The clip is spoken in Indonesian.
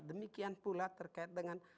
demikian pula terkait dengan